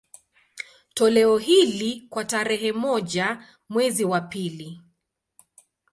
Toleo hili, kwa tarehe moja mwezi wa pili